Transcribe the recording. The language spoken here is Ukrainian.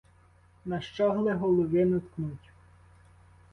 На щогли голови наткнуть